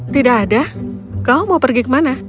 tidak ada kau mau pergi ke mana